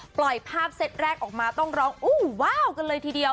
ปล่อยภาพเซตแรกออกมาต้องร้องอู้ว้าวกันเลยทีเดียว